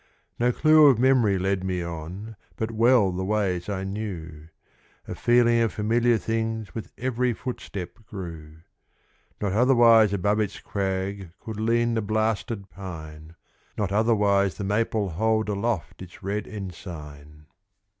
No clue of memory led me on, But well the ways I knew; A feeling of familiar things With every footstep grew. Not otherwise above its crag Could lean the blasted pine; Not otherwise the maple hold Aloft its red ensign.